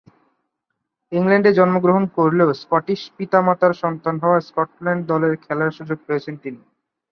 ইংল্যান্ডে জন্মগ্রহণ করলেও স্কটিশ পিতা-মাতার সন্তান হওয়া স্কটল্যান্ড দলে খেলার সুযোগ পেয়েছেন তিনি।